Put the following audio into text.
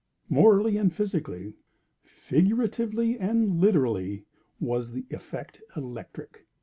Morally and physically—figuratively and literally—was the effect electric.